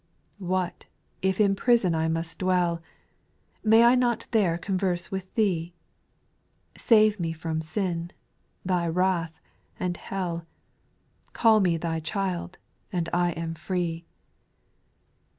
5. What, if in prison I must dwell, — May I not there converse with Thee ? Save me from sin, Thy wrath, and hell, Call me Thy child, and I am free.